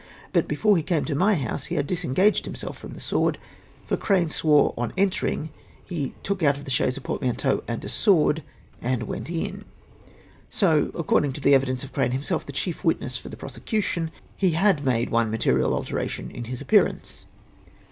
But before he came to my house, he had disengaged himself from the sword, for Crane swore that on enter ing, he " took out of the chaise a portmanteau and a sword, and went in." So that, according to the evi dence of Crane himself, the chief witness for the pro secution, he had made one material alteration in his appearance.